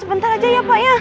sebentar aja ya pak